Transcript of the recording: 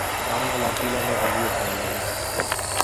Angolan tilanne on murheellinen.